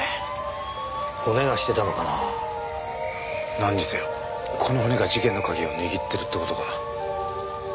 なんにせよこの骨が事件の鍵を握ってるって事か。